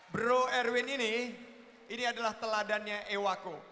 bro erwin ini ini adalah teladannya ewako